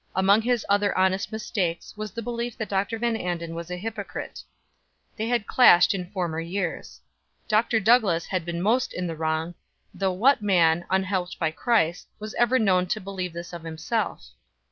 Among his other honest mistakes was the belief that Dr. Van Anden was a hypocrite. They had clashed in former years. Dr. Douglass had been most in the wrong, though what man, unhelped by Christ, was ever known to believe this of himself?